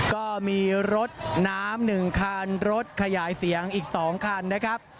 ก็มีรถน้ำ๑คันรถขยายเสียงอีก๒คันนะครับ